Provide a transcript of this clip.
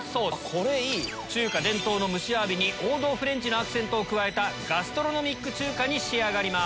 中華伝統の蒸しアワビに王道フレンチのアクセントを加えたガストロノミック中華に仕上がります。